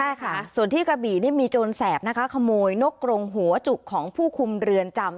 ใช่ค่ะส่วนที่กระบี่นี่มีโจรแสบนะคะขโมยนกกรงหัวจุกของผู้คุมเรือนจำ